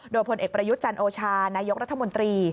โดยผลเอกประยุทธ์จันโอชานายกรัฐมนตรี